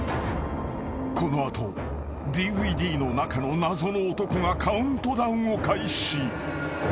［この後ＤＶＤの中の謎の男がカウントダウンを開始］